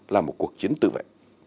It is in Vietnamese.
là một cuộc chiến tự vệ